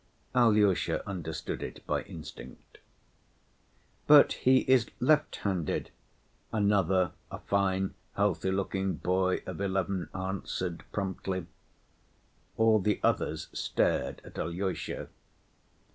Alyosha understood it by instinct. "But he is left‐handed," another, a fine healthy‐looking boy of eleven, answered promptly. All the others stared at Alyosha.